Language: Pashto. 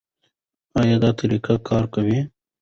ایا دا طریقه کار کوي؟